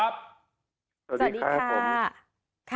สวัสดีค่ะ